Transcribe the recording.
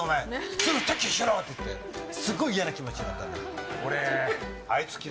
すぐ撤去しろ！って言ってすっごい嫌な気持ちになった。